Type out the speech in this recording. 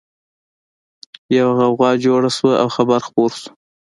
يوه غوغا جوړه شوه او خبر خپور شو